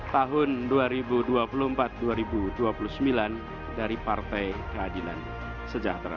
tahun dua ribu dua puluh empat dua ribu dua puluh sembilan dari partai keadilan sejahtera